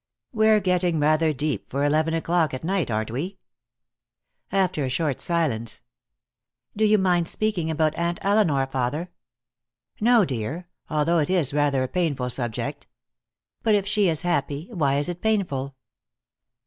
"We're getting rather deep for eleven o'clock at night, aren't we?" After a short silence: "Do you mind speaking about Aunt Elinor, father?" "No, dear. Although it is rather a painful subject." "But if she is happy, why is it painful?"